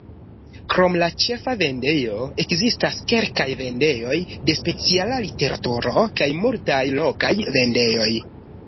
Krom la ĉefa vendejo, ekzistas kelkaj vendejoj de speciala literaturo kaj multaj lokaj vendejoj.